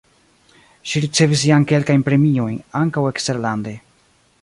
Ŝi ricevis jam kelkajn premiojn (ankaŭ eksterlande).